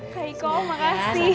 kak iko makasih